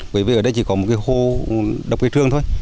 bởi vì ở đây chỉ có một cái hô độc kỳ trương thôi